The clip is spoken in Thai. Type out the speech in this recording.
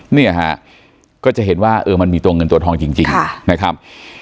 เนี่ยฮะก็จะเห็นว่าเออมันมีตัวเงินตัวทองจริงนะครับ